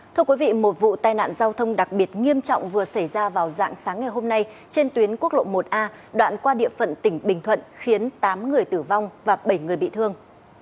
thưa quý vị một vụ tai nạn giao thông đặc biệt nghiêm trọng vừa xảy ra vào dạng sáng ngày hôm nay trên tuyến quốc lộ một a đoạn qua địa phận tỉnh bình thuận khiến tám người tử vong và bảy người bị thương